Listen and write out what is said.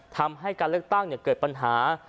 ทำให้การเลือกตั้งเกิดปัญหา